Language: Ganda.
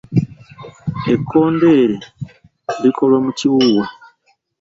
Ekkondeere likolwa mu kiwuuwa.